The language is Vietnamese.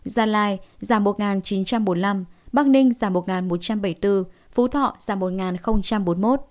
gia lai giảm một chín trăm bốn mươi năm bắc ninh giảm một một trăm bảy mươi bốn phú thọ giảm một bốn mươi một